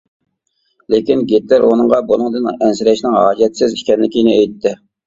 لېكىن گىتلېر ئۇنىڭغا بۇنىڭدىن ئەنسىرەشنىڭ ھاجەتسىز ئىكەنلىكىنى ئېيتتى.